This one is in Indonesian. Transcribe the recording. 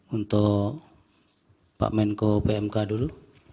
untuk pak menko pmk dulu